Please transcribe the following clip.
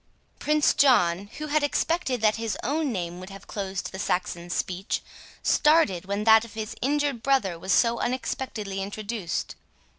Prince John, who had expected that his own name would have closed the Saxon's speech, started when that of his injured brother was so unexpectedly introduced.